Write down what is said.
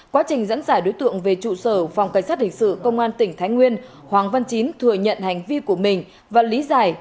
quá trình dẫn dải đối tượng về trụ sở phòng cảnh sát hình sự công an tỉnh thái nguyên hoàng văn chín thừa nhận hành vi của mình và lý giải